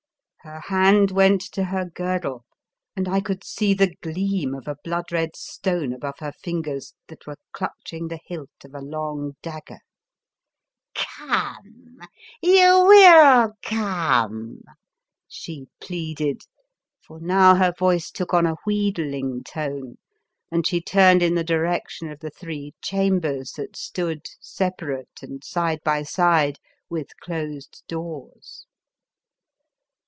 Her hand went to her girdle, and I could see the gleam of a blood red stone above her fingers 78 The Fearsome Island that were clutching the hilt of a long dagger. " Come! you will come?" she plead ed, for now her voice took on a wheed ling tone ; and she turned in the direc tion of the three chambers that stood separate and side by side with closed doors.